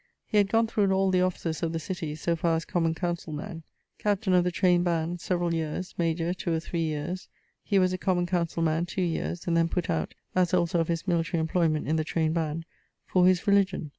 He had gone through all the offices of the city so far as common councell man. Captain of the trayned bands severall yeares; major, 2 or 3 yeares. He was a common councell man 2 yeares, and then putt out (as also of his military employment in the trayned band) for his religion.